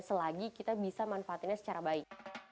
selagi kita bisa manfaatinnya secara baik